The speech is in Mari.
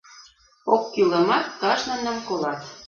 Оккӱлымат кажныным колат...